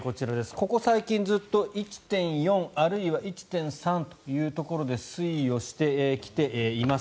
ここ最近ずっと１．４あるいは１．３というところで推移をしてきています。